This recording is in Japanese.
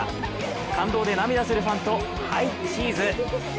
感動で涙するファンと、ハイチーズ。